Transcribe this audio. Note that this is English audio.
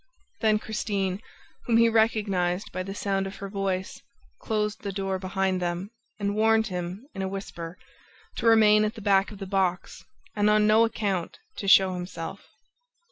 Then Christine, whom he recognized by the sound of her voice, closed the door behind them and warned him, in a whisper, to remain at the back of the box and on no account to show himself.